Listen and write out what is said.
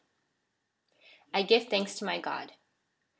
/ give thanks to my God.